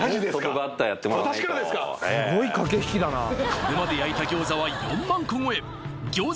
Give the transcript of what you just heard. これまで焼いた餃子は４万個超え餃子